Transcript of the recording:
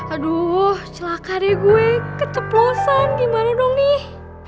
aduh celaka deh gue keceplosan gimana dong nih